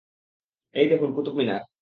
এই দেখুন, কুতুব মিনার।